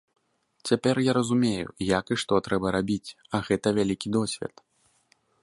Цяпер я разумею, як і што трэба рабіць, а гэта вялікі досвед.